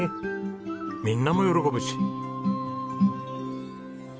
みんなも喜ぶし。